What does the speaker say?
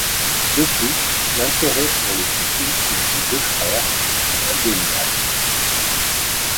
De plus l'intérêt pour le cyclisme des deux frères est indéniable.